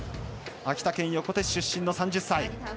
秋田県横手市出身の３０歳。